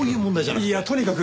いいやとにかく！